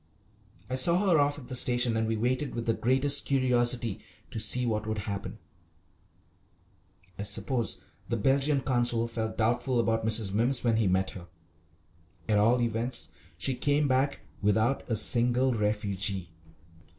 I saw her off at the station, and we waited with the greatest curiosity to see what would happen. I suppose the Belgian Consul felt doubtful about Mrs. Mimms when he met her. At all events she came back without a single refugee.